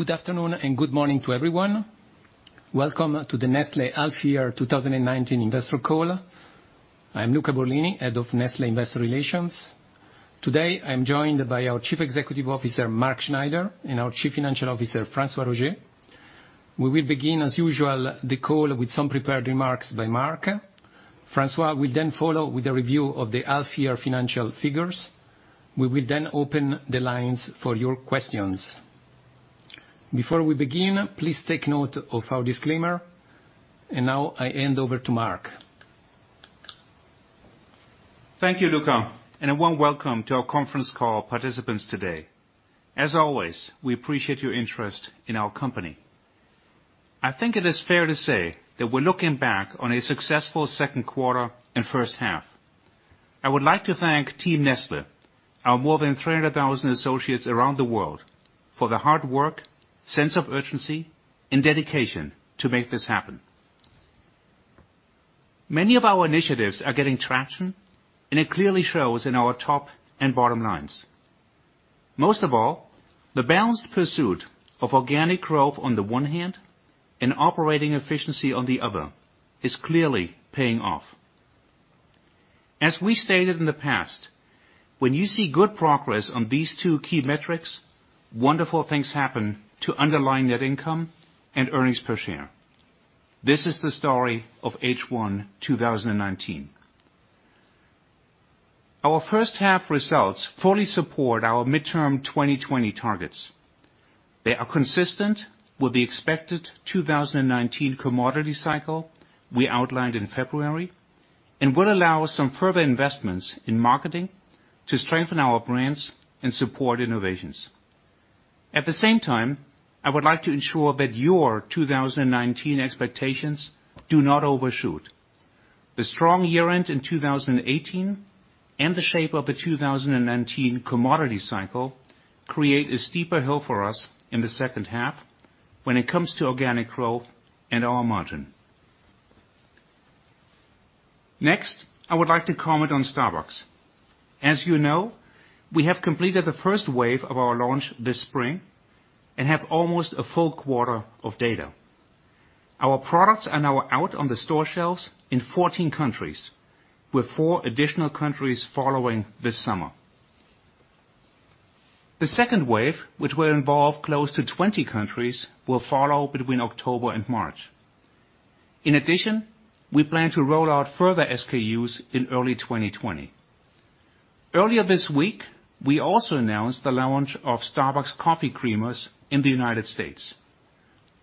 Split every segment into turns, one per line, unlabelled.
Good afternoon and good morning to everyone. Welcome to the Nestlé Half Year 2019 Investor Call. I'm Luca Borlini, Head of Nestlé Investor Relations. Today, I'm joined by our Chief Executive Officer, Mark Schneider, and our Chief Financial Officer, François-Xavier Roger. We will begin, as usual, the call with some prepared remarks by Mark. François will then follow with a review of the half-year financial figures. We will then open the lines for your questions. Before we begin, please take note of our disclaimer. Now I hand over to Mark.
Thank you, Luca, and a warm welcome to our conference call participants today. As always, we appreciate your interest in our company. I think it is fair to say that we're looking back on a successful second quarter and first half. I would like to thank Team Nestlé, our more than 300,000 associates around the world, for the hard work, sense of urgency, and dedication to make this happen. Many of our initiatives are getting traction, and it clearly shows in our top and bottom lines. Most of all, the balanced pursuit of organic growth on the one hand and operating efficiency on the other is clearly paying off. As we stated in the past, when you see good progress on these two key metrics, wonderful things happen to underlying net income and earnings per share. This is the story of H1 2019. Our first half results fully support our midterm 2020 targets. They are consistent with the expected 2019 commodity cycle we outlined in February and will allow some further investments in marketing to strengthen our brands and support innovations. At the same time, I would like to ensure that your 2019 expectations do not overshoot. The strong year-end in 2018 and the shape of the 2019 commodity cycle create a steeper hill for us in the second half when it comes to organic growth and our margin. Next, I would like to comment on Starbucks. As you know, we have completed the first wave of our launch this spring and have almost a full quarter of data. Our products are now out on the store shelves in 14 countries, with four additional countries following this summer. The second wave, which will involve close to 20 countries, will follow between October and March. In addition, we plan to roll out further SKUs in early 2020. Earlier this week, we also announced the launch of Starbucks coffee creamers in the United States.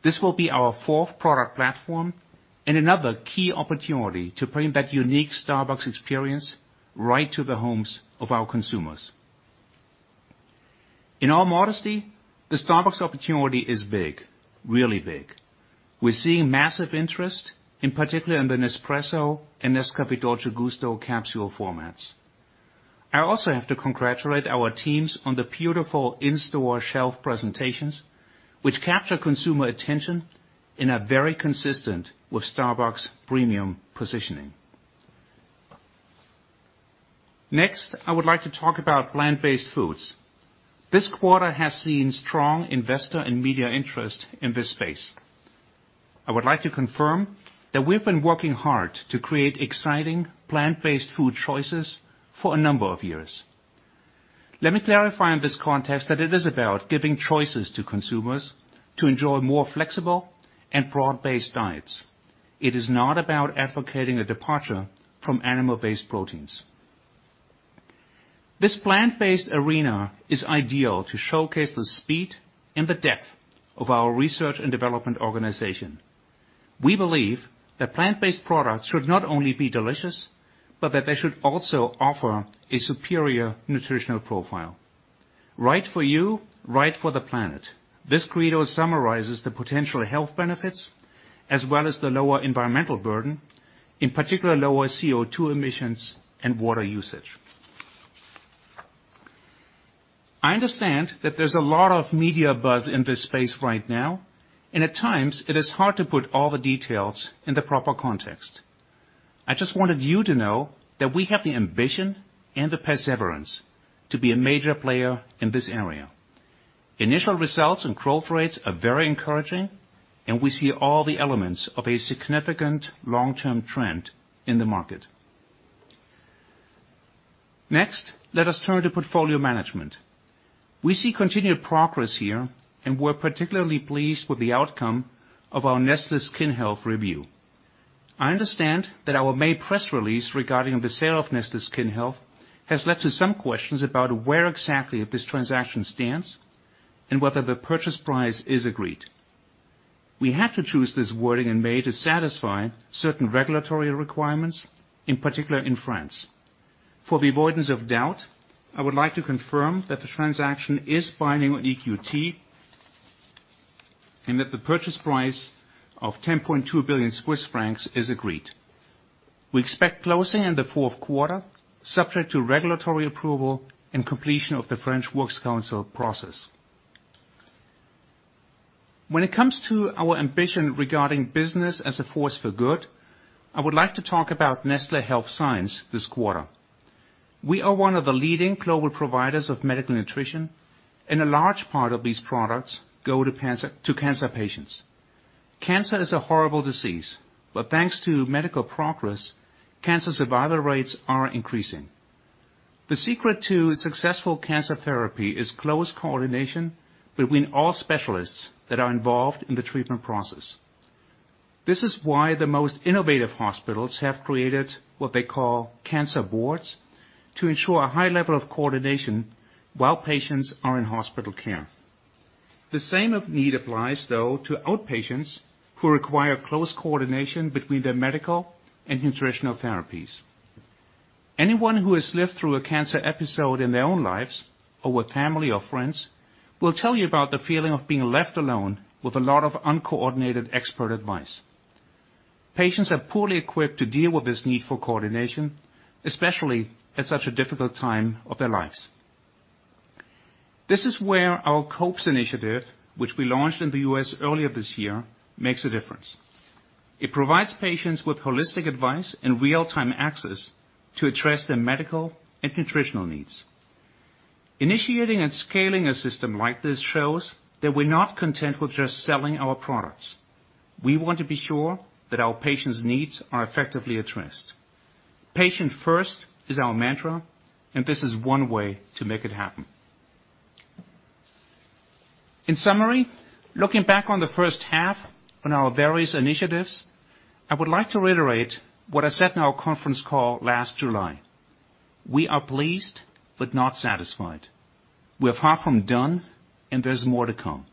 This will be our fourth product platform and another key opportunity to bring that unique Starbucks experience right to the homes of our consumers. In all modesty, the Starbucks opportunity is big. Really big. We're seeing massive interest, in particular in the Nespresso and Nescafé Dolce Gusto capsule formats. I also have to congratulate our teams on the beautiful in-store shelf presentations, which capture consumer attention and are very consistent with Starbucks' premium positioning. Next, I would like to talk about plant-based foods. This quarter has seen strong investor and media interest in this space. I would like to confirm that we've been working hard to create exciting plant-based food choices for a number of years. Let me clarify in this context that it is about giving choices to consumers to enjoy more flexible and broad-based diets. It is not about advocating a departure from animal-based proteins. This plant-based arena is ideal to showcase the speed and the depth of our research and development organization. We believe that plant-based products should not only be delicious, but that they should also offer a superior nutritional profile. Right for you, right for the planet. This credo summarizes the potential health benefits as well as the lower environmental burden, in particular, lower CO2 emissions and water usage. I understand that there's a lot of media buzz in this space right now, and at times it is hard to put all the details in the proper context. I just wanted you to know that we have the ambition and the perseverance to be a major player in this area. Initial results and growth rates are very encouraging, and we see all the elements of a significant long-term trend in the market. Next, let us turn to portfolio management. We see continued progress here, and we're particularly pleased with the outcome of our Nestlé Skin Health review. I understand that our May press release regarding the sale of Nestlé Skin Health has led to some questions about where exactly this transaction stands and whether the purchase price is agreed. We had to choose this wording in May to satisfy certain regulatory requirements, in particular in France. For the avoidance of doubt, I would like to confirm that the transaction is binding on EQT and that the purchase price of 10.2 billion Swiss francs is agreed. We expect closing in the fourth quarter, subject to regulatory approval and completion of the French Works Council process. When it comes to our ambition regarding business as a force for good, I would like to talk about Nestlé Health Science this quarter. We are one of the leading global providers of medical nutrition, and a large part of these products go to cancer patients. Cancer is a horrible disease, but thanks to medical progress, cancer survival rates are increasing. The secret to successful cancer therapy is close coordination between all specialists that are involved in the treatment process. This is why the most innovative hospitals have created what they call cancer boards to ensure a high level of coordination while patients are in hospital care. The same need applies, though, to outpatients who require close coordination between their medical and nutritional therapies. Anyone who has lived through a cancer episode in their own lives or with family or friends will tell you about the feeling of being left alone with a lot of uncoordinated expert advice. Patients are poorly equipped to deal with this need for coordination, especially at such a difficult time of their lives. This is where our COPES initiative, which we launched in the U.S. earlier this year, makes a difference. It provides patients with holistic advice and real-time access to address their medical and nutritional needs. Initiating and scaling a system like this shows that we're not content with just selling our products. We want to be sure that our patients' needs are effectively addressed. Patient first is our mantra, and this is one way to make it happen. In summary, looking back on the first half on our various initiatives, I would like to reiterate what I said in our conference call last July. We are pleased but not satisfied. We're far from done, and there's more to come.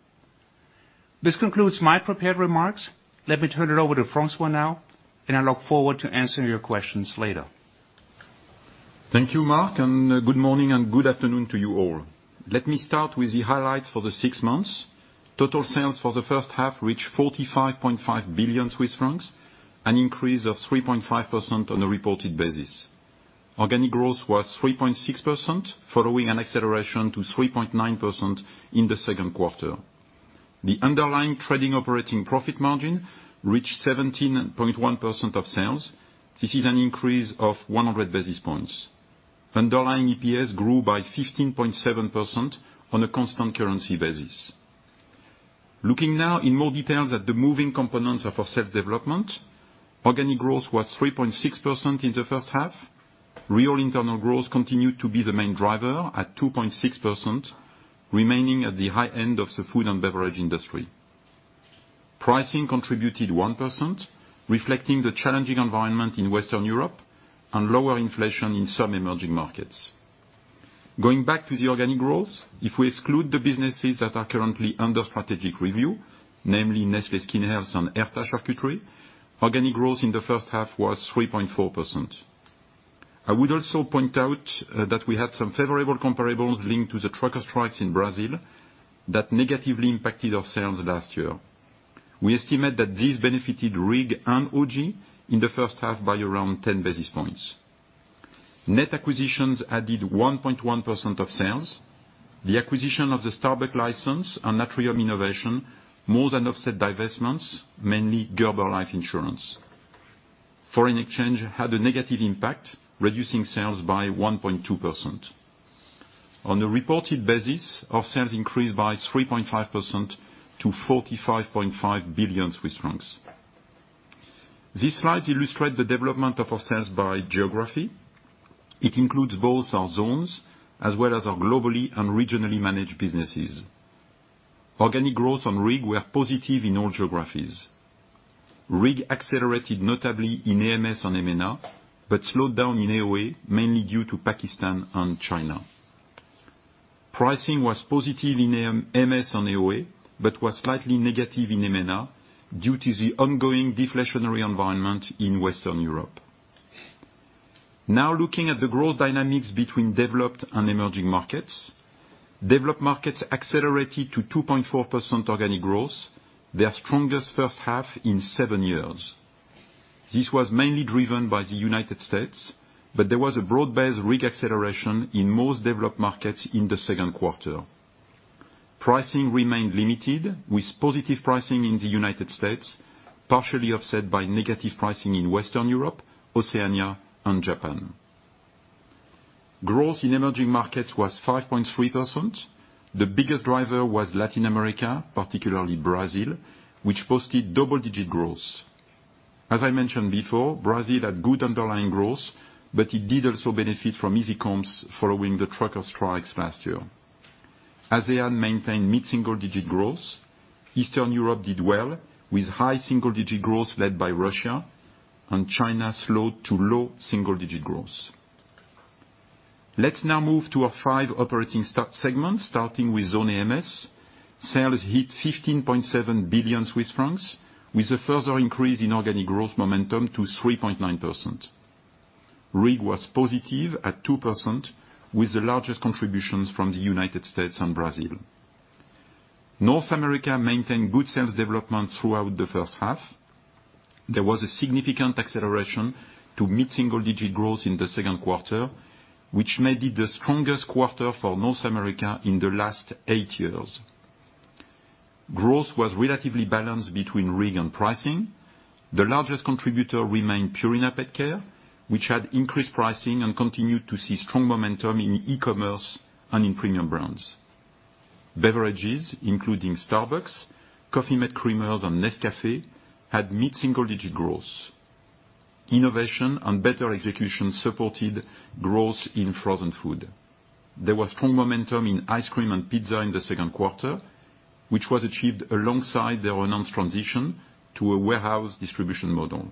This concludes my prepared remarks. Let me turn it over to François now, and I look forward to answering your questions later.
Thank you, Mark, and good morning and good afternoon to you all. Let me start with the highlights for the six months. Total sales for the first half reached 45.5 billion Swiss francs, an increase of 3.5% on a reported basis. Organic growth was 3.6%, following an acceleration to 3.9% in the second quarter. The underlying trading operating profit margin reached 17.1% of sales. This is an increase of 100 basis points. Underlying EPS grew by 15.7% on a constant currency basis. Looking now in more details at the moving components of our sales development, organic growth was 3.6% in the first half. Real internal growth continued to be the main driver at 2.6%, remaining at the high end of the food and beverage industry. Pricing contributed 1%, reflecting the challenging environment in Western Europe and lower inflation in some emerging markets. Going back to the organic growth, if we exclude the businesses that are currently under strategic review, namely Nestlé Skin Health and Herta Charcuterie, organic growth in the first half was 3.4%. I would also point out that we had some favorable comparables linked to the trucker strikes in Brazil that negatively impacted our sales last year. We estimate that this benefited RIG and OG in the first half by around 10 basis points. Net acquisitions added 1.1% of sales. The acquisition of the Starbucks license and Atrium Innovations more than offset divestments, mainly Gerber Life Insurance. Foreign exchange had a negative impact, reducing sales by 1.2%. On a reported basis, our sales increased by 3.5% to CHF 45.5 billion. This slide illustrates the development of our sales by geography. It includes both our zones as well as our globally and regionally managed businesses. Organic growth and RIG were positive in all geographies. RIG accelerated notably in AMS and EMENA, slowed down in AOA, mainly due to Pakistan and China. Pricing was positive in AMS and AOA, was slightly negative in EMENA due to the ongoing deflationary environment in Western Europe. Looking at the growth dynamics between developed and emerging markets. Developed markets accelerated to 2.4% organic growth, their strongest first half in seven years. This was mainly driven by the United States, there was a broad-based RIG acceleration in most developed markets in the second quarter. Pricing remained limited, with positive pricing in the United States, partially offset by negative pricing in Western Europe, Oceania and Japan. Growth in emerging markets was 5.3%. The biggest driver was Latin America, particularly Brazil, which posted double-digit growth. As I mentioned before, Brazil had good underlying growth, but it did also benefit from easy comps following the trucker strikes last year. As they had maintained mid-single digit growth, Eastern Europe did well, with high single-digit growth led by Russia, and China slowed to low single-digit growth. Let's now move to our five operating segments, starting with Zone AMS. Sales hit 15.7 billion Swiss francs, with a further increase in organic growth momentum to 3.9%. RIG was positive at 2% with the largest contributions from the United States and Brazil. North America maintained good sales development throughout the first half. There was a significant acceleration to mid-single digit growth in the second quarter, which made it the strongest quarter for North America in the last eight years. Growth was relatively balanced between RIG and pricing. The largest contributor remained Purina PetCare, which had increased pricing and continued to see strong momentum in e-commerce and in premium brands. Beverages, including Starbucks, Coffee mate Creamers, and Nescafé, had mid-single digit growth. Innovation and better execution supported growth in frozen food. There was strong momentum in ice cream and pizza in the second quarter, which was achieved alongside the announced transition to a warehouse distribution model.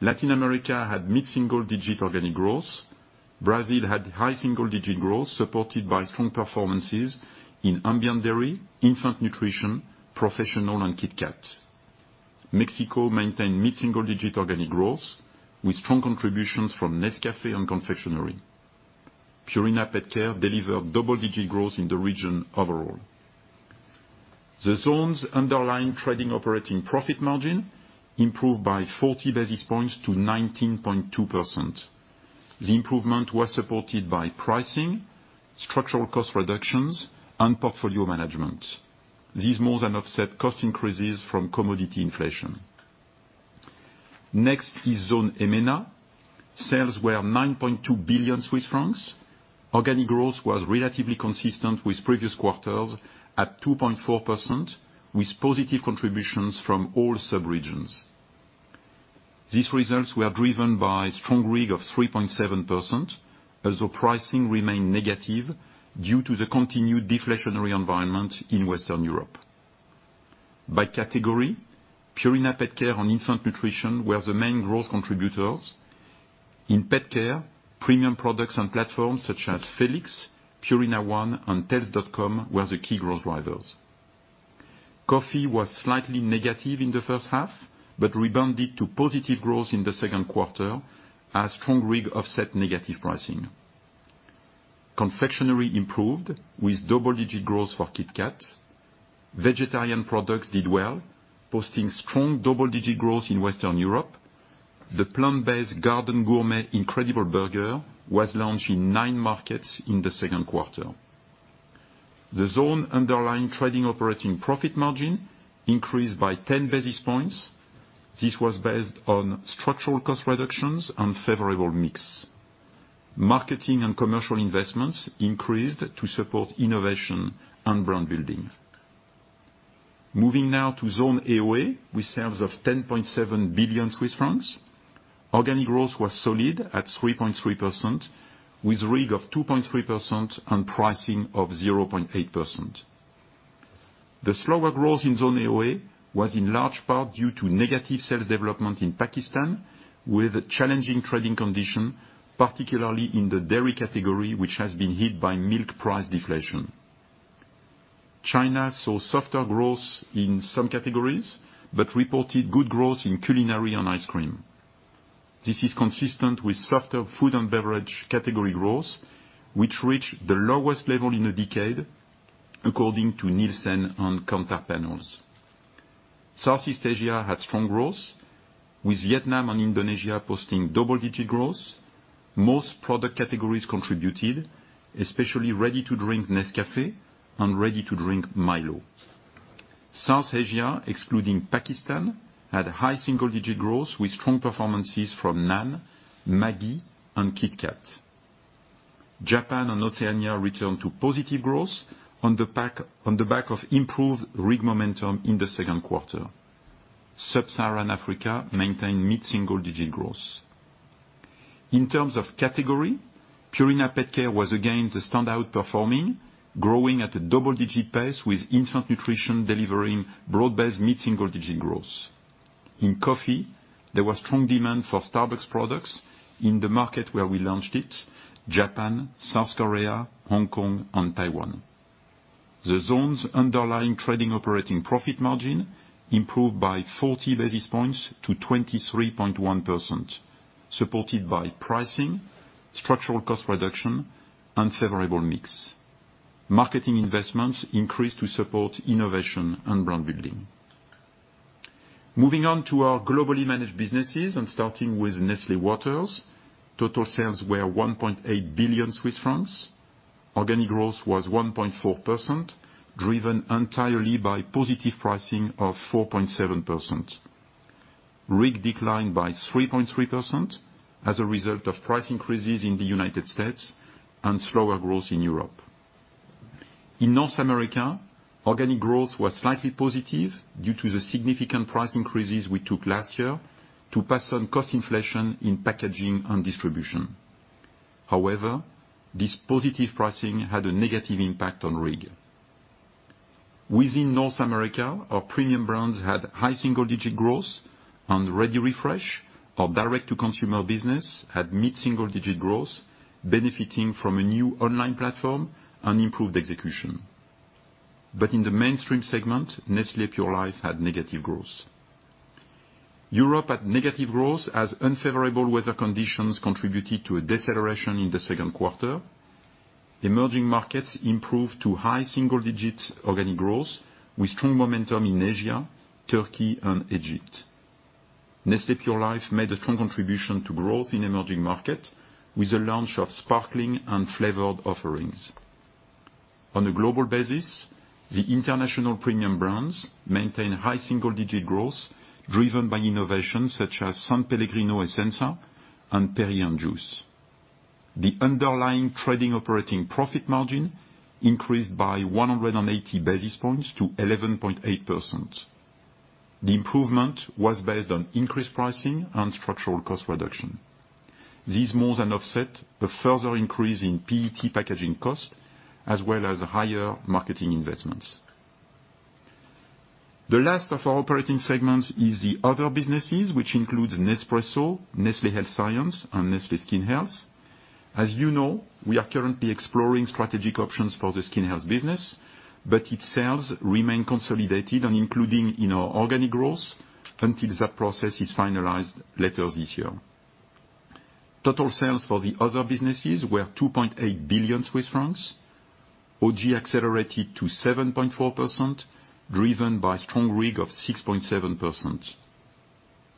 Latin America had mid-single digit organic growth. Brazil had high single-digit growth, supported by strong performances in ambient dairy, infant nutrition, professional, and KitKat. Mexico maintained mid-single digit organic growth with strong contributions from Nescafé and confectionery. Purina PetCare delivered double-digit growth in the region overall. The zone's underlying trading operating profit margin improved by 40 basis points to 19.2%. The improvement was supported by pricing, structural cost reductions, and portfolio management. These more than offset cost increases from commodity inflation. Next is Zone EMENA. Sales were 9.2 billion Swiss francs. Organic growth was relatively consistent with previous quarters at 2.4%, with positive contributions from all sub-regions. These results were driven by strong RIG of 3.7%, as pricing remained negative due to the continued deflationary environment in Western Europe. By category, Purina PetCare and infant nutrition were the main growth contributors. In pet care, premium products and platforms such as Felix, Purina ONE, and Tails.com were the key growth drivers. Coffee was slightly negative in the first half, but rebounded to positive growth in the second quarter as strong RIG offset negative pricing. Confectionery improved, with double-digit growth for KitKat. Vegetarian products did well, posting strong double-digit growth in Western Europe. The plant-based Garden Gourmet Incredible Burger was launched in nine markets in the second quarter. The zone underlying trading operating profit margin increased by 10 basis points. This was based on structural cost reductions and favorable mix. Marketing and commercial investments increased to support innovation and brand building. Moving now to Zone AOA, with sales of 10.7 billion Swiss francs. Organic growth was solid at 3.3%, with RIG of 2.3% and pricing of 0.8%. The slower growth in Zone AOA was in large part due to negative sales development in Pakistan, with challenging trading condition, particularly in the dairy category, which has been hit by milk price deflation. China saw softer growth in some categories, but reported good growth in culinary and ice cream. This is consistent with softer food and beverage category growth, which reached the lowest level in a decade, according to Nielsen and Kantar Panels. Southeast Asia had strong growth, with Vietnam and Indonesia posting double-digit growth. Most product categories contributed, especially ready-to-drink Nescafé and ready-to-drink Milo. South Asia, excluding Pakistan, had high single-digit growth with strong performances from NAN, Maggi, and KitKat. Japan and Oceania returned to positive growth on the back of improved RIG momentum in the second quarter. Sub-Saharan Africa maintained mid-single-digit growth. In terms of category, Purina PetCare was again the standout performing, growing at a double-digit pace with infant nutrition delivering broad-based mid-single-digit growth. In coffee, there was strong demand for Starbucks products in the market where we launched it, Japan, South Korea, Hong Kong, and Taiwan. The zone's underlying trading operating profit margin improved by 40 basis points to 23.1%, supported by pricing, structural cost reduction, and favorable mix. Marketing investments increased to support innovation and brand building. Moving on to our globally managed businesses and starting with Nestlé Waters. Total sales were 1.8 billion Swiss francs. Organic growth was 1.4%, driven entirely by positive pricing of 4.7%. RIG declined by 3.3% as a result of price increases in the United States. and slower growth in Europe. In North America, organic growth was slightly positive due to the significant price increases we took last year to pass on cost inflation in packaging and distribution. However, this positive pricing had a negative impact on RIG. Within North America, our premium brands had high single-digit growth and ReadyRefresh, our direct-to-consumer business, had mid-single digit growth, benefiting from a new online platform and improved execution. In the mainstream segment, Nestlé Pure Life had negative growth. Europe had negative growth as unfavorable weather conditions contributed to a deceleration in the second quarter. Emerging markets improved to high single-digit organic growth with strong momentum in Asia, Turkey, and Egypt. Nestlé Pure Life made a strong contribution to growth in emerging market with the launch of sparkling and flavored offerings. On a global basis, the international premium brands maintain high single-digit growth, driven by innovations such as S.Pellegrino Essenza and Perrier & Juice. The underlying trading operating profit margin increased by 180 basis points to 11.8%. The improvement was based on increased pricing and structural cost reduction. These more than offset a further increase in PET packaging cost, as well as higher marketing investments. The last of our operating segments is the other businesses, which includes Nespresso, Nestlé Health Science, and Nestlé Skin Health. As you know, we are currently exploring strategic options for the skin health business, but its sales remain consolidated and including in our organic growth until that process is finalized later this year. Total sales for the other businesses were 2.8 billion Swiss francs. OG accelerated to 7.4%, driven by strong RIG of 6.7%.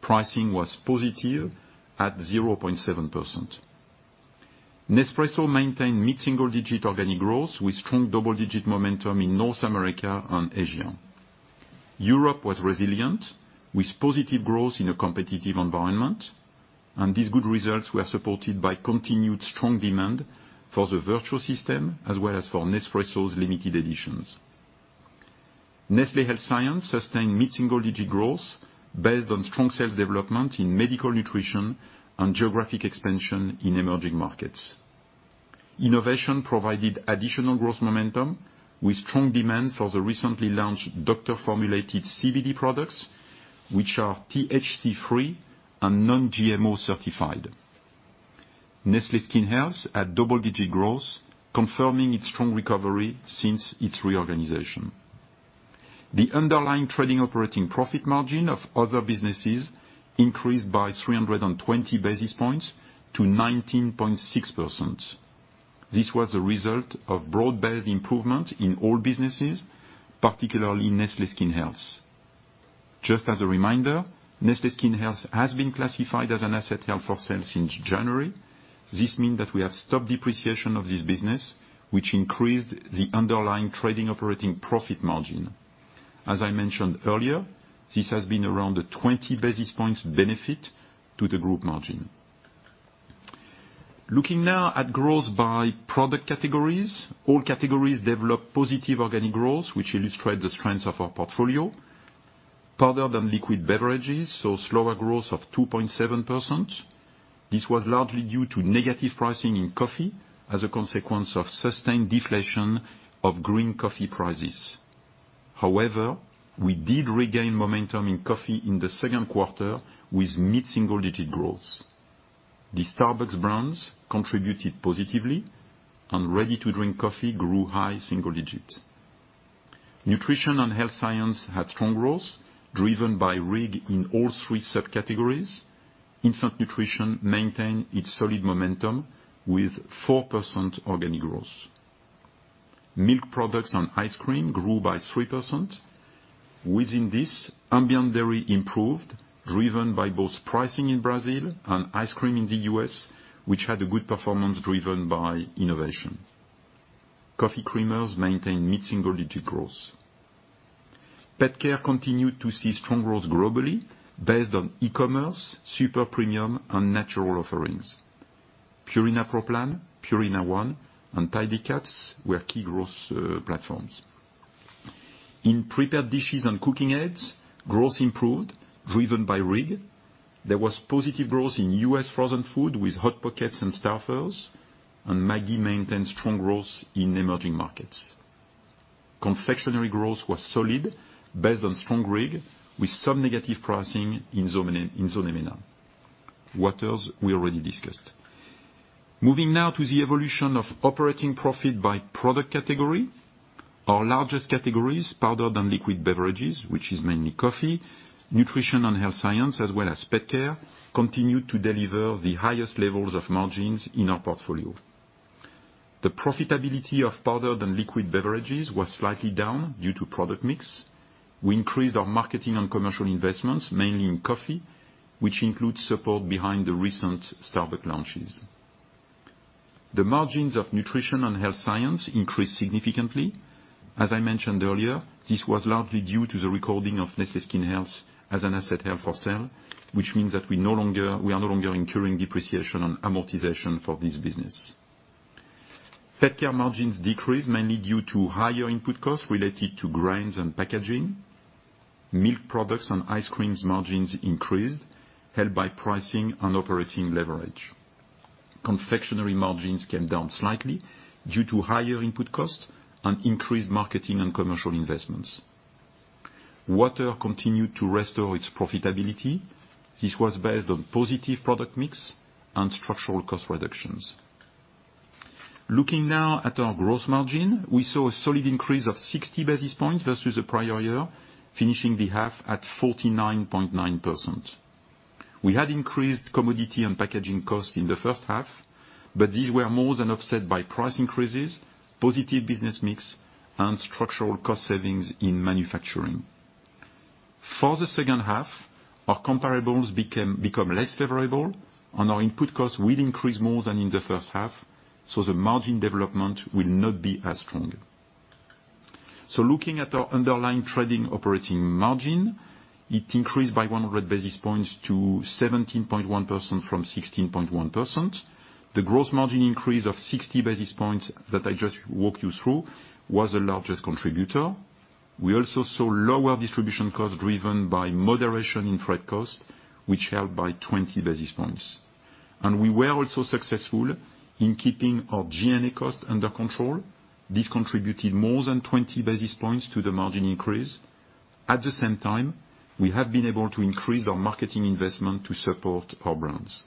Pricing was positive at 0.7%. Nespresso maintained mid-single-digit organic growth with strong double-digit momentum in North America and Asia. Europe was resilient, with positive growth in a competitive environment. These good results were supported by continued strong demand for the Vertuo system as well as for Nespresso's limited editions. Nestlé Health Science sustained mid-single-digit growth based on strong sales development in medical nutrition and geographic expansion in emerging markets. Innovation provided additional growth momentum with strong demand for the recently launched doctor-formulated CBD products, which are THC-free and non-GMO certified. Nestlé Skin Health had double-digit growth, confirming its strong recovery since its reorganization. The underlying trading operating profit margin of other businesses increased by 320 basis points to 19.6%. This was the result of broad-based improvement in all businesses, particularly Nestlé Skin Health. Just as a reminder, Nestlé Skin Health has been classified as an asset held for sale since January. This mean that we have stopped depreciation of this business, which increased the underlying trading operating profit margin. As I mentioned earlier, this has been around a 20 basis points benefit to the group margin. Looking now at growth by product categories. All categories developed positive organic growth, which illustrate the strengths of our portfolio. Powdered and liquid beverages saw slower growth of 2.7%. This was largely due to negative pricing in coffee as a consequence of sustained deflation of green coffee prices. However, we did regain momentum in coffee in the second quarter with mid-single-digit growth. The Starbucks brands contributed positively, and ready-to-drink coffee grew high single digits. Nutrition and health science had strong growth, driven by RIG in all three subcategories. Infant nutrition maintained its solid momentum with 4% organic growth. Milk products and ice cream grew by 3%. Within this, ambient dairy improved, driven by both pricing in Brazil and ice cream in the U.S., which had a good performance driven by innovation. Coffee creamers maintained mid-single-digit growth. Pet care continued to see strong growth globally based on e-commerce, super premium, and natural offerings. Purina Pro Plan, Purina ONE, and Tidy Cats were key growth platforms. In prepared dishes and cooking aids, growth improved, driven by RIG. There was positive growth in U.S. frozen food with Hot Pockets and Stouffer's, and Maggi maintained strong growth in emerging markets. Confectionery growth was solid, based on strong RIG, with some negative pricing in Zone Latina. Waters, we already discussed. Moving now to the evolution of operating profit by product category. Our largest categories, powdered and liquid beverages, which is mainly coffee, Nestlé Health Science, as well as pet care, continued to deliver the highest levels of margins in our portfolio. The profitability of powdered and liquid beverages was slightly down due to product mix. We increased our marketing and commercial investments, mainly in coffee, which includes support behind the recent Starbucks launches. The margins of Nestlé Health Science increased significantly. As I mentioned earlier, this was largely due to the recording of Nestlé Skin Health as an asset held for sale, which means that we are no longer incurring depreciation and amortization for this business. Pet care margins decreased mainly due to higher input costs related to grains and packaging. Milk products and ice creams margins increased, helped by pricing and operating leverage. Confectionery margins came down slightly due to higher input costs and increased marketing and commercial investments. Water continued to restore its profitability. This was based on positive product mix and structural cost reductions. Looking now at our gross margin, we saw a solid increase of 60 basis points versus the prior year, finishing the half at 49.9%. We had increased commodity and packaging costs in the first half, but these were more than offset by price increases, positive business mix, and structural cost savings in manufacturing. For the second half, our comparables become less favorable and our input costs will increase more than in the first half, the margin development will not be as strong. Looking at our underlying trading operating margin, it increased by 100 basis points to 17.1% from 16.1%. The gross margin increase of 60 basis points that I just walked you through was the largest contributor. We also saw lower distribution costs driven by moderation in freight costs, which helped by 20 basis points. We were also successful in keeping our G&A costs under control. This contributed more than 20 basis points to the margin increase. At the same time, we have been able to increase our marketing investment to support our brands.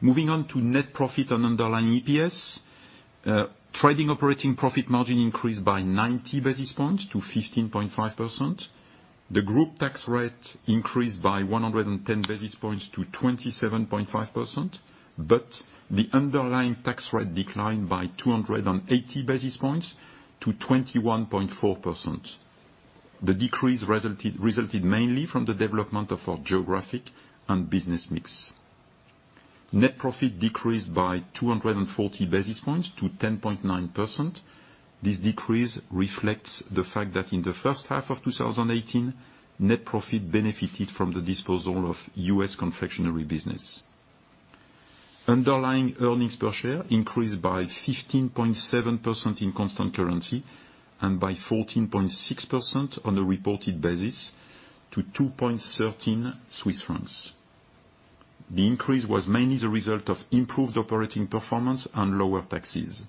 Moving on to net profit and underlying EPS. Trading operating profit margin increased by 90 basis points to 15.5%. The group tax rate increased by 110 basis points to 27.5%, but the underlying tax rate declined by 280 basis points to 21.4%. The decrease resulted mainly from the development of our geographic and business mix. Net profit decreased by 240 basis points to 10.9%. This decrease reflects the fact that in the first half of 2018, net profit benefited from the disposal of U.S. confectionery business. Underlying earnings per share increased by 15.7% in constant currency and by 14.6% on a reported basis to 2.13 Swiss francs. The increase was mainly the result of improved operating performance and lower taxes.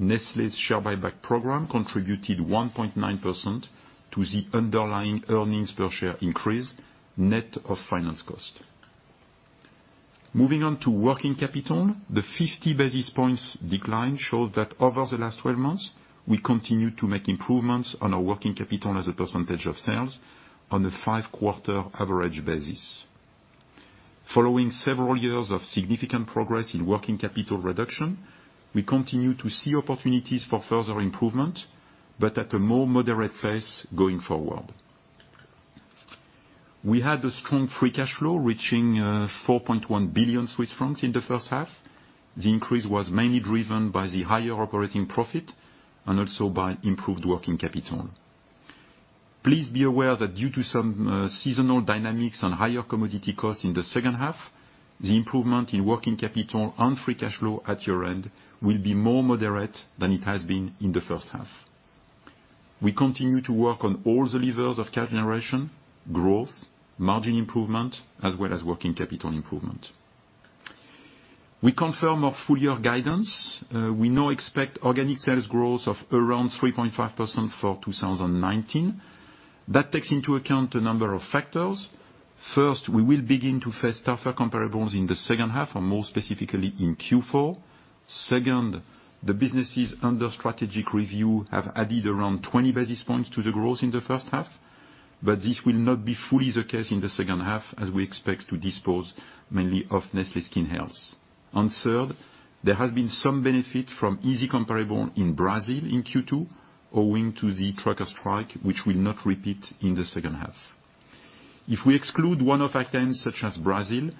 Nestlé's share buyback program contributed 1.9% to the underlying earnings per share increase net of finance cost. Moving on to working capital. The 50 basis points decline showed that over the last 12 months, we continue to make improvements on our working capital as a percentage of sales on a five-quarter average basis. Following several years of significant progress in working capital reduction, we continue to see opportunities for further improvement, but at a more moderate pace going forward. We had a strong free cash flow reaching 4.1 billion Swiss francs in the first half. The increase was mainly driven by the higher operating profit and also by improved working capital. Please be aware that due to some seasonal dynamics and higher commodity costs in the second half, the improvement in working capital and free cash flow at year-end will be more moderate than it has been in the first half. We continue to work on all the levers of cash generation, growth, margin improvement, as well as working capital improvement. We confirm our full-year guidance. We now expect organic sales growth of around 3.5% for 2019. That takes into account a number of factors. First, we will begin to face tougher comparables in the second half and more specifically in Q4. Second, the businesses under strategic review have added around 20 basis points to the growth in the first half. This will not be fully the case in the second half as we expect to dispose mainly of Nestlé Skin Health. Third, there has been some benefit from easy comparable in Brazil in Q2 owing to the trucker strike, which will not repeat in the second half. If we exclude one-off items such as Brazil,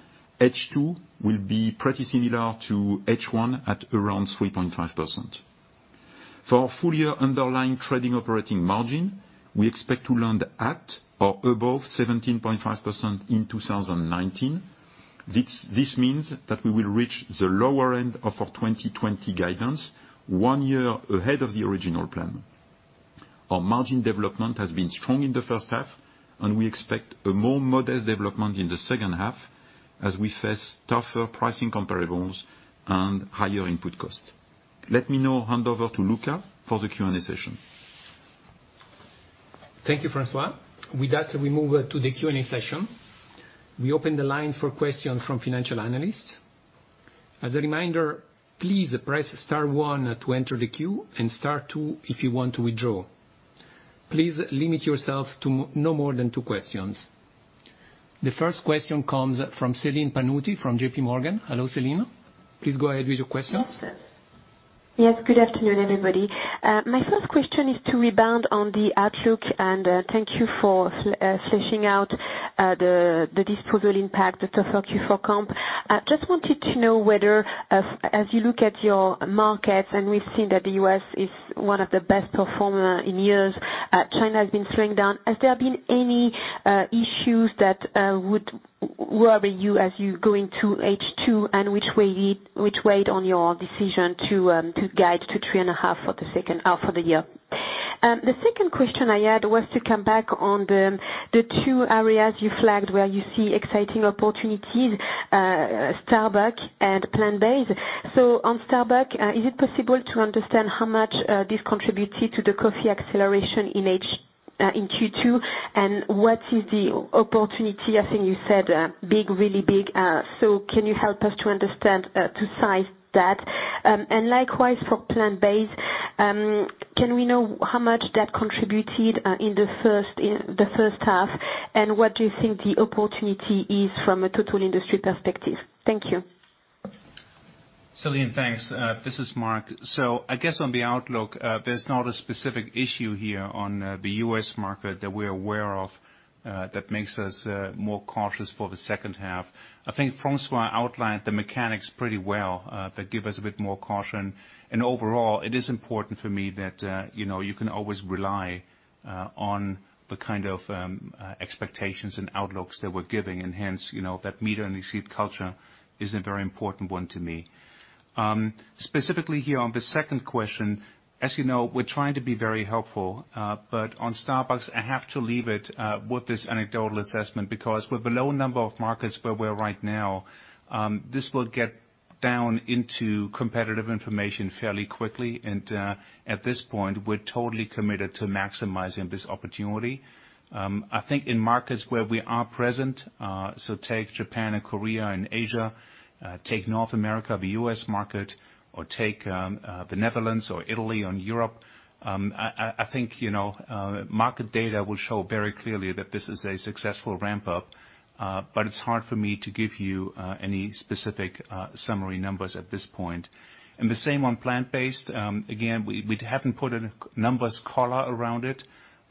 H2 will be pretty similar to H1 at around 3.5%. For our full-year underlying trading operating margin, we expect to land at or above 17.5% in 2019. This means that we will reach the lower end of our 2020 guidance one year ahead of the original plan. Our margin development has been strong in the first half, and we expect a more modest development in the second half as we face tougher pricing comparables and higher input costs. Let me now hand over to Luca for the Q&A session.
Thank you, François. With that, we move to the Q&A session. We open the lines for questions from financial analysts. As a reminder, please press star one to enter the queue and star two if you want to withdraw. Please limit yourself to no more than two questions. The first question comes from Céline Pannuti from JPMorgan. Hello, Céline. Please go ahead with your question.
Yes, good afternoon, everybody. My first question is to rebound on the outlook, and thank you for fleshing out the disposal impact, the tougher Q4 comp. I just wanted to know whether as you look at your markets, and we've seen that the U.S. is one of the best performer in years, China has been slowing down, has there been any issues that would worry you as you go into H2, and which weighed on your decision to guide to 3.5% for the year? The second question I had was to come back on the two areas you flagged where you see exciting opportunities, Starbucks and plant-based. On Starbucks, is it possible to understand how much this contributed to the coffee acceleration in Q2? What is the opportunity? I think you said big, really big. Can you help us to understand, to size that? Likewise, for plant-based, can we know how much that contributed in the first half, and what do you think the opportunity is from a total industry perspective? Thank you.
Céline, thanks. This is Mark. I guess on the outlook, there's not a specific issue here on the U.S. market that we're aware of that makes us more cautious for the second half. I think François outlined the mechanics pretty well that give us a bit more caution. Overall, it is important for me that you can always rely on the kind of expectations and outlooks that we're giving, and hence, that meet and exceed culture is a very important one to me. Specifically here on the second question, as you know, we're trying to be very helpful, but on Starbucks, I have to leave it with this anecdotal assessment because with the low number of markets where we are right now, this will get down into competitive information fairly quickly, and at this point, we're totally committed to maximizing this opportunity. I think in markets where we are present, so take Japan and Korea and Asia, take North America, the U.S. market, or take the Netherlands or Italy and Europe, I think, market data will show very clearly that this is a successful ramp-up, but it's hard for me to give you any specific summary numbers at this point. The same on plant-based. Again, we haven't put a numbers collar around it.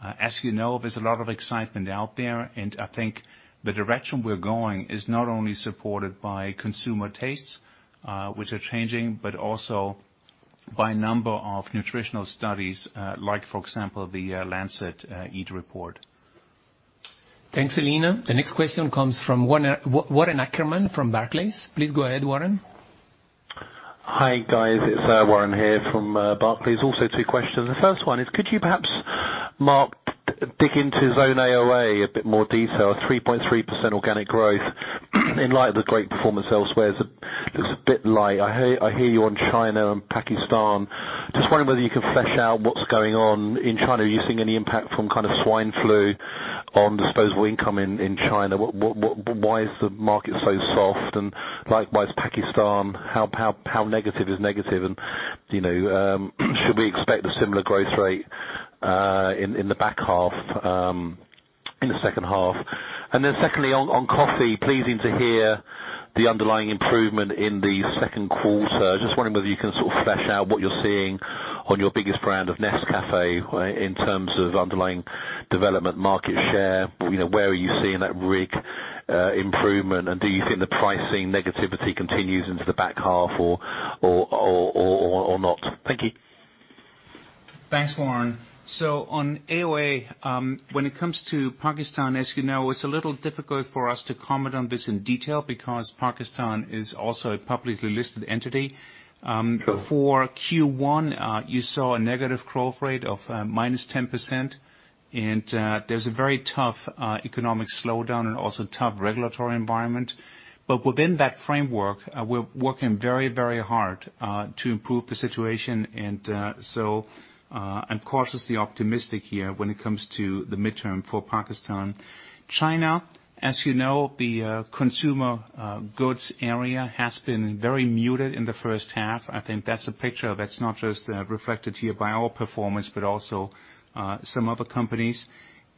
As you know, there's a lot of excitement out there, and I think the direction we're going is not only supported by consumer tastes, which are changing, but also by a number of nutritional studies, like for example, the EAT-Lancet report.
Thanks, Céline. The next question comes from Warren Ackerman from Barclays. Please go ahead, Warren.
Hi, guys. It's Warren here from Barclays. Two questions. The first one is, could you perhaps, Mark, dig into Zone AOA a bit more detail? 3.3% organic growth in light of the great performance elsewhere is a bit light. I hear you on China and Pakistan. Wondering whether you can flesh out what's going on in China. Are you seeing any impact from swine flu on disposable income in China? Why is the market so soft? Likewise, Pakistan, how negative is negative? Should we expect a similar growth rate in the back half, in the second half? Secondly, on coffee, pleasing to hear the underlying improvement in the second quarter. Wondering whether you can sort of flesh out what you're seeing on your biggest brand of Nescafé in terms of underlying development, market share. Where are you seeing that RIG improvement? Do you think the pricing negativity continues into the back half or not? Thank you.
Thanks, Warren. On AOA, when it comes to Pakistan, as you know, it's a little difficult for us to comment on this in detail because Pakistan is also a publicly listed entity. For Q1, you saw a negative growth rate of -10%, and there's a very tough economic slowdown and also tough regulatory environment. Within that framework, we're working very hard to improve the situation, and so I'm cautiously optimistic here when it comes to the midterm for Pakistan. China, as you know, the consumer goods area has been very muted in the first half. I think that's a picture that's not just reflected here by our performance, but also some other companies.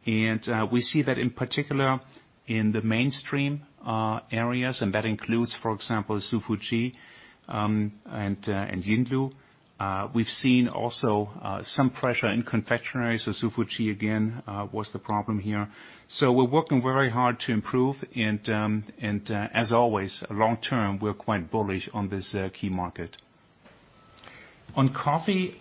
We see that in particular in the mainstream areas, and that includes, for example, Hsu Fu Chi and Yinlu. We've seen also some pressure in confectionery, so Hsu Fu Chi again was the problem here. We're working very hard to improve and as always, long term, we're quite bullish on this key market. On coffee,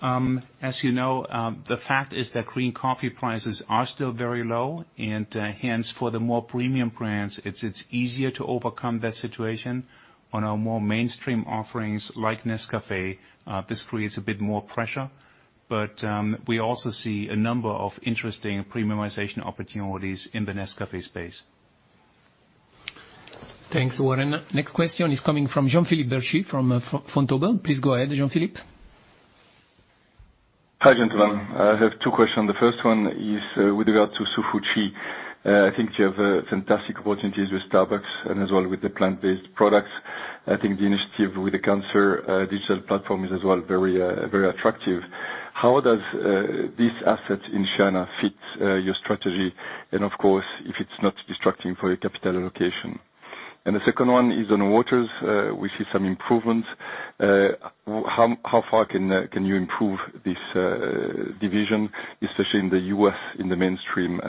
as you know, the fact is that green coffee prices are still very low and hence for the more premium brands, it's easier to overcome that situation. On our more mainstream offerings like Nescafé, this creates a bit more pressure, but we also see a number of interesting premiumization opportunities in the Nescafé space.
Thanks, Warren. Next question is coming from Jean-Philippe Bertschy from Vontobel. Please go ahead, Jean-Philippe.
Hi, gentlemen. I have two questions. The first one is with regard to Hsu Fu Chi. I think you have fantastic opportunities with Starbucks and as well with the plant-based products. I think the initiative with the cancer digital platform is as well very attractive. How does this asset in China fit your strategy? Of course, if it's not distracting for your capital allocation. The second one is on Waters. We see some improvements. How far can you improve this division, especially in the U.S. in the mainstream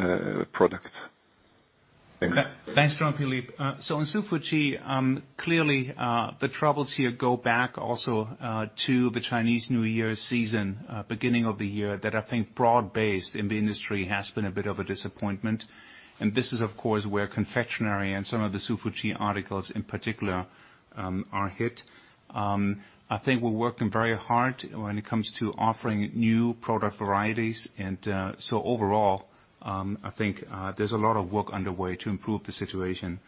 product? Thanks.
Thanks, Jean-Philippe. On Hsu Fu Chi, clearly, the troubles here go back also to the Chinese New Year season, beginning of the year that I think broad-based in the industry has been a bit of a disappointment. This is of course, where confectionery and some of the Hsu Fu Chi articles in particular are hit. I think we're working very hard when it comes to offering new product varieties. Overall, I think there's a lot of work underway to improve the situation.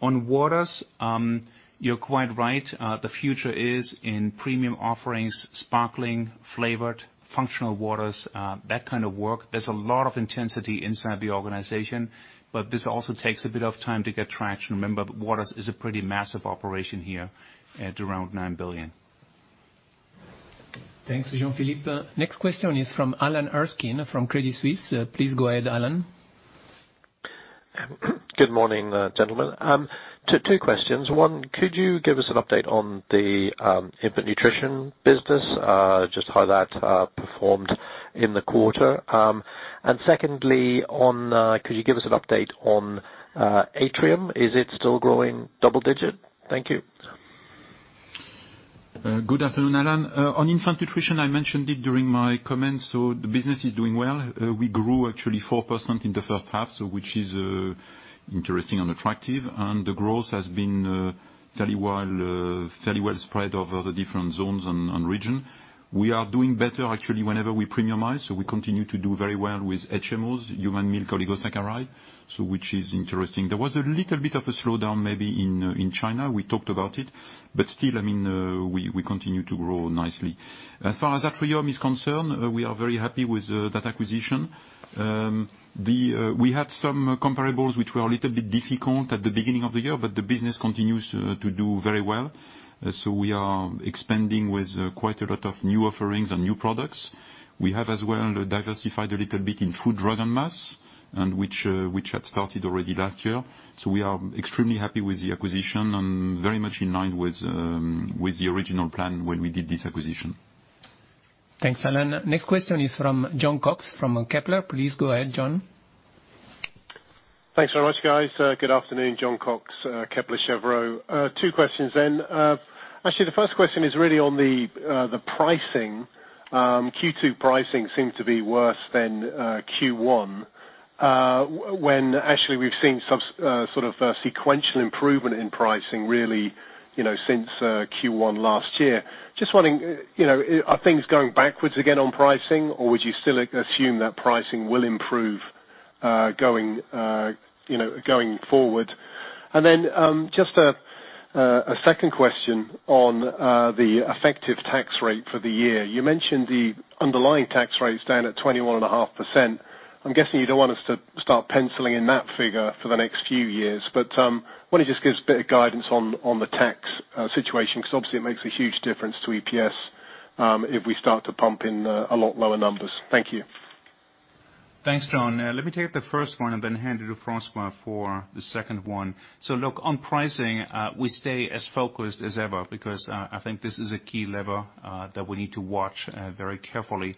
On Waters, you're quite right. The future is in premium offerings, sparkling, flavored, functional Waters, that kind of work. There's a lot of intensity inside the organization, this also takes a bit of time to get traction. Remember, Waters is a pretty massive operation here at around $9 billion.
Thanks, Jean-Philippe. Next question is from Alan Erskine from Credit Suisse. Please go ahead, Alan.
Good morning, gentlemen. Two questions. One, could you give us an update on the infant nutrition business, just how that performed in the quarter? Secondly, could you give us an update on Atrium? Is it still growing double digit? Thank you.
Good afternoon, Alan. On infant nutrition, I mentioned it during my comments, the business is doing well. We grew actually 4% in the first half, which is interesting and attractive. The growth has been fairly well spread over the different zones and region. We are doing better actually whenever we premiumize. We continue to do very well with HMOs, human milk oligosaccharides, which is interesting. There was a little bit of a slowdown maybe in China. We talked about it, still, we continue to grow nicely. As far as Atrium is concerned, we are very happy with that acquisition. We had some comparables which were a little bit difficult at the beginning of the year, the business continues to do very well. We are expanding with quite a lot of new offerings and new products. We have as well diversified a little bit in food, drug and mass, and which had started already last year. We are extremely happy with the acquisition and very much in line with the original plan when we did this acquisition.
Thanks, Alan. Next question is from Jon Cox from Kepler. Please go ahead, Jon.
Thanks very much, guys. Good afternoon. Jon Cox, Kepler Cheuvreux. Two questions then. Actually, the first question is really on the pricing. Q2 pricing seems to be worse than Q1, when actually we've seen some sort of sequential improvement in pricing really, since Q1 last year. Just wondering, are things going backwards again on pricing, or would you still assume that pricing will improve going forward? Just a second question on the effective tax rate for the year. You mentioned the underlying tax rate is down at 21.5%. I'm guessing you don't want us to start penciling in that figure for the next few years, want to just give us a bit of guidance on the tax situation, because obviously, it makes a huge difference to EPS if we start to pump in a lot lower numbers. Thank you.
Thanks, Jon. Let me take the first one and then hand it to François for the second one. Look, on pricing, we stay as focused as ever because I think this is a key lever that we need to watch very carefully.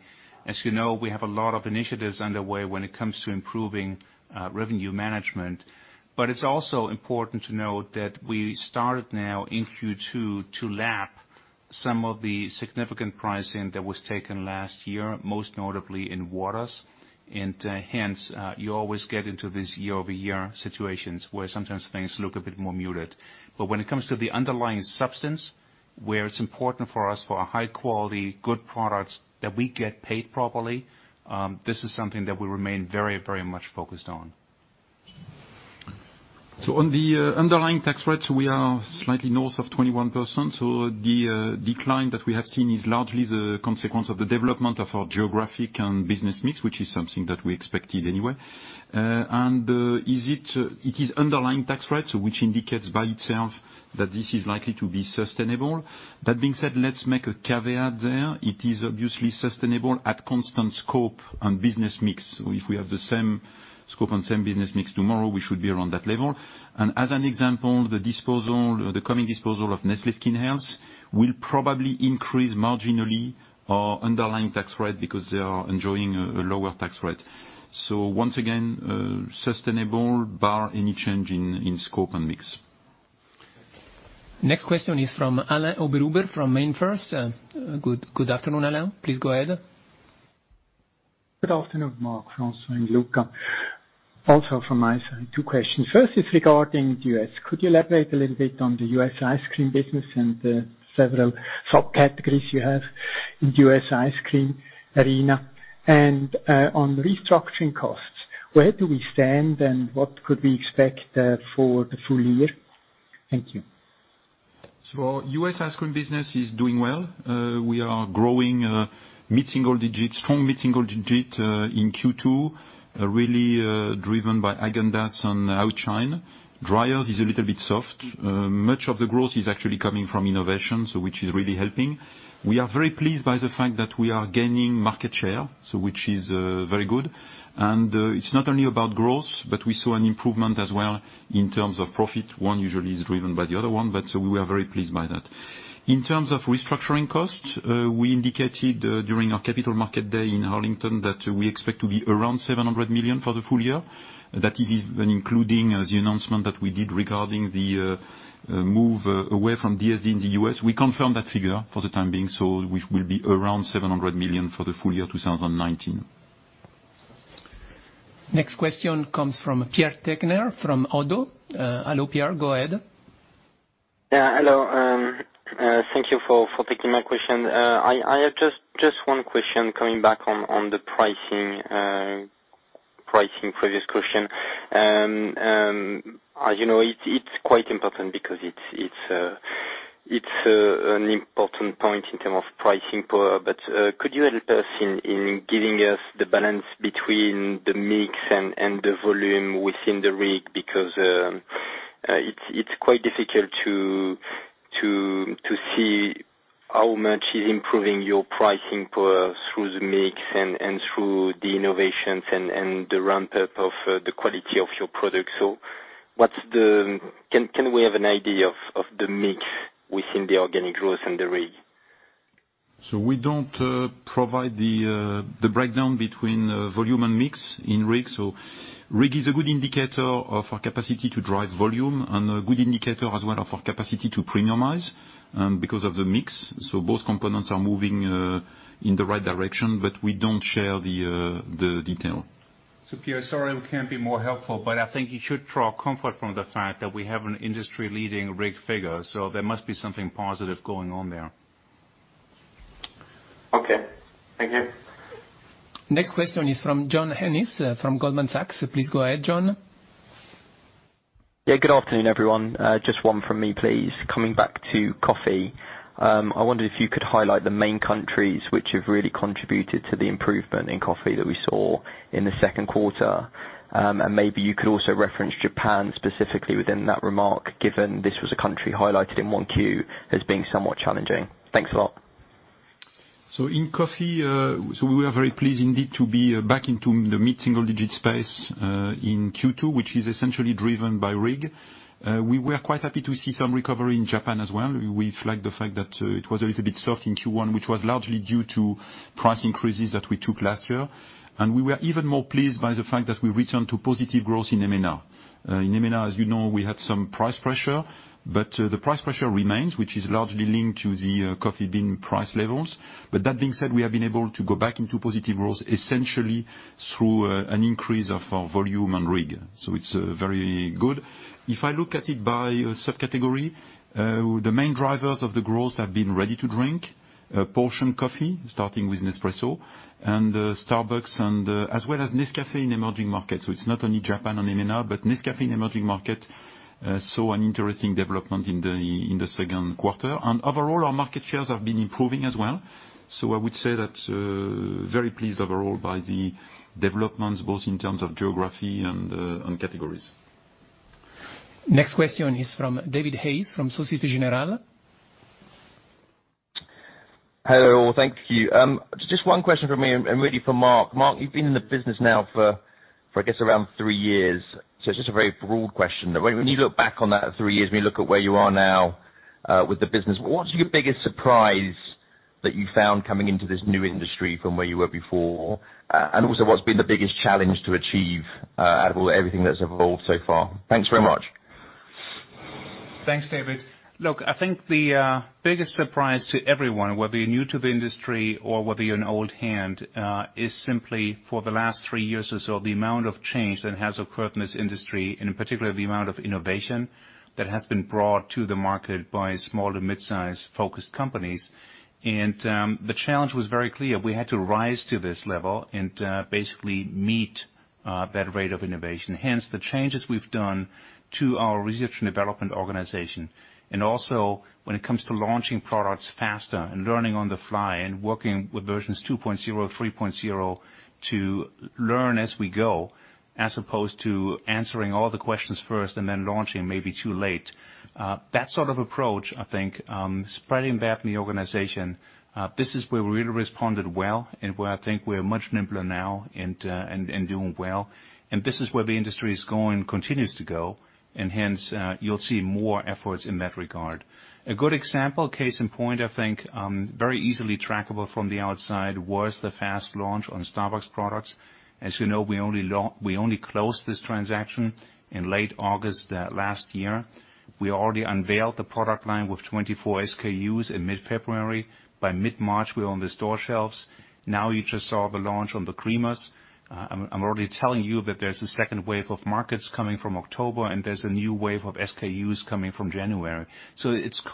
As you know, we have a lot of initiatives underway when it comes to improving revenue management. It's also important to note that we started now in Q2 to lap some of the significant pricing that was taken last year, most notably in Waters. Hence, you always get into this year-over-year situations where sometimes things look a bit more muted. When it comes to the underlying substance, where it's important for us for our high quality, good products that we get paid properly, this is something that we remain very much focused on.
On the underlying tax rates, we are slightly north of 21%, so the decline that we have seen is largely the consequence of the development of our geographic and business mix, which is something that we expected anyway. It is underlying tax rates, which indicates by itself that this is likely to be sustainable. That being said, let's make a caveat there. It is obviously sustainable at constant scope and business mix. If we have the same scope and same business mix tomorrow, we should be around that level. As an example, the coming disposal of Nestlé Skin Health will probably increase marginally our underlying tax rate because they are enjoying a lower tax rate. Once again, sustainable bar any change in scope and mix.
Next question is from Alain Oberhuber from MainFirst. Good afternoon, Alain. Please go ahead.
Good afternoon, Mark, François and Luca. Also from my side, two questions. First is regarding the U.S. Could you elaborate a little bit on the U.S. ice cream business and the several subcategories you have in the U.S. ice cream arena? On restructuring costs, where do we stand and what could we expect for the full year? Thank you.
U.S. ice cream business is doing well. We are growing mid-single digit, strong mid-single digit in Q2, really driven by Häagen-Dazs and Outshine. Dreyer's is a little bit soft. Much of the growth is actually coming from innovation, which is really helping. We are very pleased by the fact that we are gaining market share, which is very good. It's not only about growth, but we saw an improvement as well in terms of profit. One usually is driven by the other one, but we are very pleased by that. In terms of restructuring costs, we indicated during our capital market day in Arlington that we expect to be around 700 million for the full year. That is even including the announcement that we did regarding the move away from DSD in the U.S. We confirm that figure for the time being, which will be around 700 million for the full year 2019.
Next question comes from Pierre Tegnér from ODDO. Hello, Pierre. Go ahead.
Yeah, hello. Thank you for taking my question. I have just one question coming back on the pricing previous question. As you know, it's quite important because it's an important point in terms of pricing power. Could you help us in giving us the balance between the mix and the volume within the RIG? It's quite difficult to see how much is improving your pricing through the mix and through the innovations and the ramp-up of the quality of your product. Can we have an idea of the mix within the organic growth and the RIG?
We don't provide the breakdown between volume and mix in RIG. RIG is a good indicator of our capacity to drive volume and a good indicator as well of our capacity to premiumize, because of the mix. Both components are moving in the right direction, but we don't share the detail.
Pierre, sorry, we can't be more helpful, but I think you should draw comfort from the fact that we have an industry-leading RIG figure, so there must be something positive going on there.
Okay. Thank you.
Next question is from John Hennessy from Goldman Sachs. Please go ahead, John.
Yeah, good afternoon, everyone. Just one from me, please. Coming back to coffee, I wonder if you could highlight the main countries which have really contributed to the improvement in coffee that we saw in the second quarter. Maybe you could also reference Japan specifically within that remark, given this was a country highlighted in 1Q as being somewhat challenging. Thanks a lot.
In coffee, we are very pleased indeed to be back into the mid-single digit space, in Q2, which is essentially driven by RIG. We were quite happy to see some recovery in Japan as well. We flagged the fact that it was a little bit slow in Q1, which was largely due to price increases that we took last year. We were even more pleased by the fact that we returned to positive growth in EMENA. In EMENA, as you know, we had some price pressure, the price pressure remains, which is largely linked to the coffee bean price levels. That being said, we have been able to go back into positive growth essentially through an increase of our volume and RIG. It's very good. If I look at it by subcategory, the main drivers of the growth have been ready-to-drink, portion coffee, starting with Nespresso and Starbucks and as well as Nescafé in emerging markets. It's not only Japan and EMENA, but Nescafé in emerging market, saw an interesting development in the second quarter. Overall, our market shares have been improving as well. I would say that very pleased overall by the developments, both in terms of geography and on categories.
Next question is from David Hayes from Societe Generale.
Hello, thank you. Just one question from me and really for Mark. Mark, you've been in the business now for, I guess, around three years. It's just a very broad question that when you look back on that three years, when you look at where you are now with the business, what's your biggest surprise that you found coming into this new industry from where you were before? Also, what's been the biggest challenge to achieve out of everything that's evolved so far? Thanks very much.
Thanks, David. Look, I think the biggest surprise to everyone, whether you're new to the industry or whether you're an old hand, is simply for the last three years or so, the amount of change that has occurred in this industry, and in particular, the amount of innovation that has been brought to the market by small to mid-size focused companies. The challenge was very clear. We had to rise to this level and basically meet that rate of innovation. Hence, the changes we've done to our research and development organization. Also when it comes to launching products faster and learning on the fly and working with versions 2.0, 3.0 to learn as we go, as opposed to answering all the questions first and then launching maybe too late. That sort of approach, I think, spreading that in the organization, this is where we really responded well and where I think we're much nimbler now and doing well. This is where the industry is going, continues to go, and hence, you'll see more efforts in that regard. A good example, case in point, I think, very easily trackable from the outside was the fast launch on Starbucks products. As you know, we only closed this transaction in late August last year. We already unveiled the product line with 24 SKUs in mid-February. By mid-March, we're on the store shelves. You just saw the launch on the creamers. I'm already telling you that there's a second wave of markets coming from October, and there's a new wave of SKUs coming from January. It's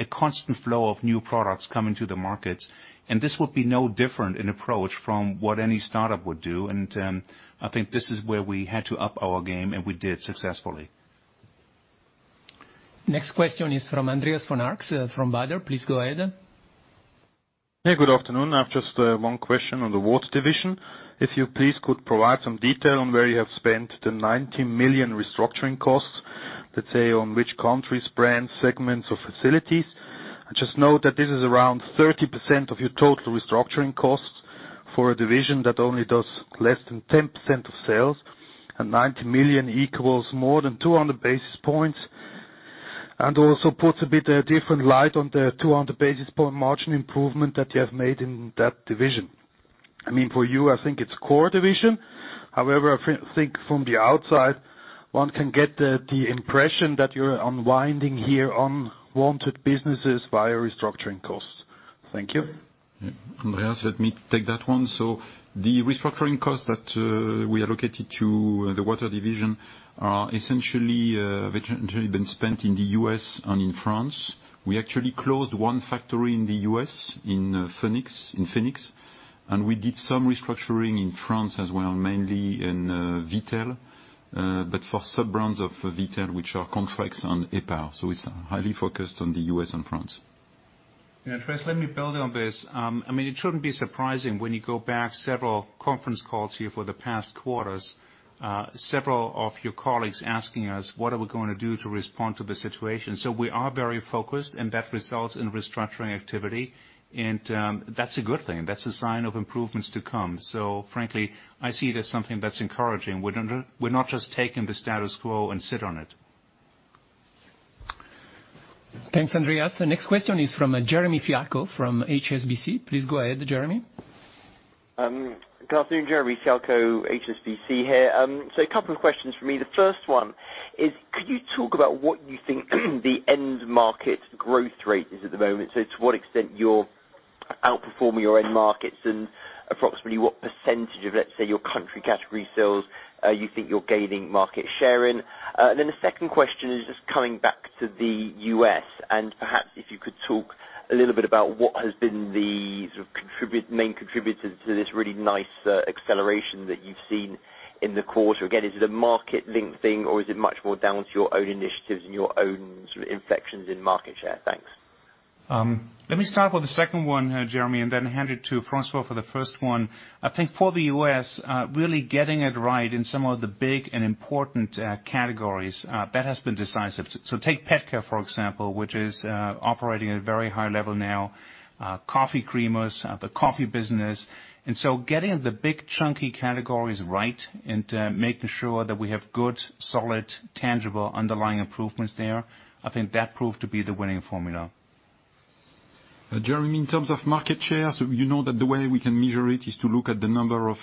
a constant flow of new products coming to the markets, and this would be no different an approach from what any startup would do. I think this is where we had to up our game, and we did successfully.
Next question is from Andreas von Arx from Baader. Please go ahead.
Hey, good afternoon. I've just one question on Nestlé Waters. If you please could provide some detail on where you have spent the 90 million restructuring costs, let's say on which countries, brands, segments, or facilities. I just know that this is around 30% of your total restructuring costs for a division that only does less than 10% of sales, and 90 million equals more than 200 basis points and also puts a bit a different light on the 200 basis point margin improvement that you have made in that division. I mean, for you, I think it's core division. However, I think from the outside, one can get the impression that you're unwinding here unwanted businesses via restructuring costs. Thank you.
Andreas, let me take that one. The restructuring costs that we allocated to the water division are essentially been spent in the U.S. and in France. We actually closed one factory in the U.S., in Phoenix, and we did some restructuring in France as well, mainly in Vittel, but for sub-brands of Vittel, which are contracts on Hépar. It's highly focused on the U.S. and France.
Andreas, let me build on this. It shouldn't be surprising when you go back several conference calls here for the past quarters, several of your colleagues asking us what are we going to do to respond to the situation. We are very focused, and that results in restructuring activity, and that's a good thing. That's a sign of improvements to come. Frankly, I see it as something that's encouraging. We're not just taking the status quo and sit on it.
Thanks, Andreas. The next question is from Jeremy Fialko from HSBC. Please go ahead, Jeremy.
Good afternoon. Jeremy Fialko, HSBC here. A couple of questions from me. The first one is, could you talk about what you think the end market growth rate is at the moment? To what extent you're outperforming your end markets, and approximately what percent of, let's say, your country category sales you think you're gaining market share in? The second question is just coming back to the U.S., and perhaps if you could talk a little bit about what has been the sort of main contributors to this really nice acceleration that you've seen in the quarter. Again, is it a market link thing, or is it much more down to your own initiatives and your own sort of inflections in market share? Thanks.
Let me start with the second one, Jeremy, and then hand it to François for the first one. I think for the U.S., really getting it right in some of the big and important categories, that has been decisive. Take pet care, for example, which is operating at a very high level now. Coffee creamers, the coffee business. Getting the big chunky categories right and making sure that we have good, solid, tangible underlying improvements there, I think that proved to be the winning formula.
Jeremy, in terms of market share, you know that the way we can measure it is to look at the number of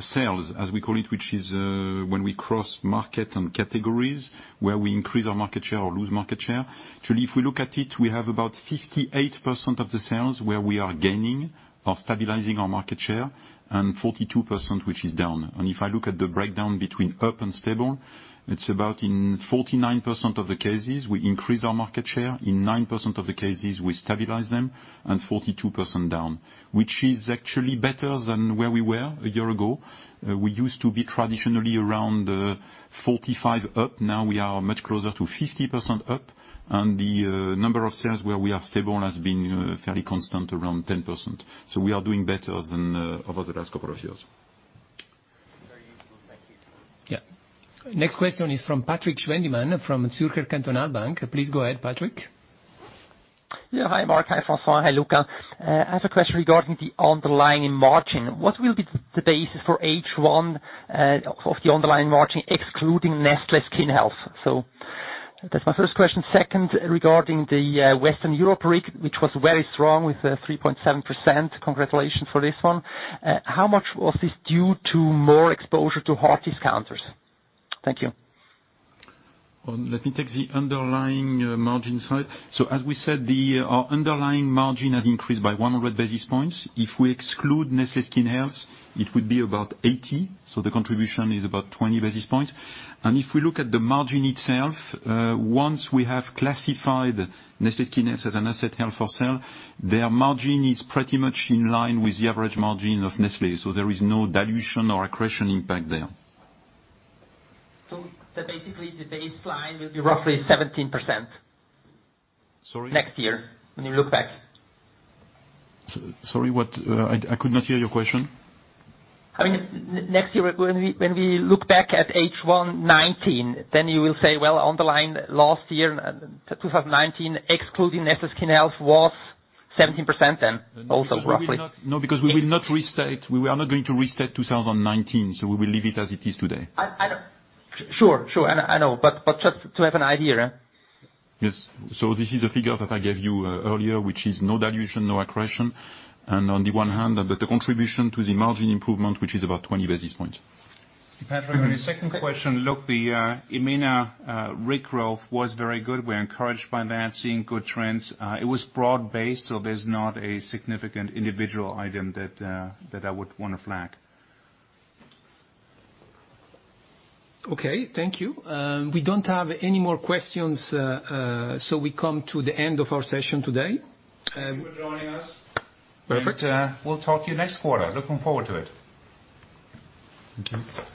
sales, as we call it, which is when we cross market and categories, where we increase our market share or lose market share. Actually, if we look at it, we have about 58% of the sales where we are gaining or stabilizing our market share and 42% which is down. If I look at the breakdown between up and stable, it's about in 49% of the cases, we increase our market share. In 9% of the cases, we stabilize them, and 42% down, which is actually better than where we were a year ago. We used to be traditionally around 45 up. Now we are much closer to 50% up, and the number of sales where we are stable has been fairly constant, around 10%. We are doing better than over the last couple of years.
Very useful. Thank you.
Next question is from Patrik Schwendimann from Zürcher Kantonalbank. Please go ahead, Patrik.
Hi, Mark. Hi, François. Hi, Luca. I have a question regarding the underlying margin. What will be the basis for H1 of the underlying margin excluding Nestlé Skin Health? That's my first question. Second, regarding the Western Europe RIG, which was very strong with a 3.7%. Congratulations for this one. How much was this due to more exposure to hard discounters? Thank you.
Well, let me take the underlying margin side. As we said, our underlying margin has increased by 100 basis points. If we exclude Nestlé Skin Health, it would be about 80. The contribution is about 20 basis points. If we look at the margin itself, once we have classified Nestlé Skin Health as an asset held for sale, their margin is pretty much in line with the average margin of Nestlé. There is no dilution or accretion impact there.
Basically, the baseline will be roughly 17%.
Sorry?
Next year when you look back.
Sorry, what? I could not hear your question.
I mean, next year, when we look back at H1 2019, then you will say, well, underlying last year, 2019, excluding Nestlé Skin Health, was 17% then also roughly.
No, because we are not going to restate 2019. We will leave it as it is today.
Sure. I know. Just to have an idea.
Yes. This is the figure that I gave you earlier, which is no dilution, no accretion. On the one hand, the contribution to the margin improvement, which is about 20 basis points.
Patrik, on your second question, look, the EMENA RIG growth was very good. We're encouraged by that, seeing good trends. It was broad-based, so there's not a significant individual item that I would want to flag.
Okay. Thank you. We don't have any more questions, so we come to the end of our session today.
Thank you for joining us.
Perfect.
We'll talk to you next quarter. Looking forward to it.
Thank you.